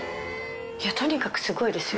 とにかくすごいですよ。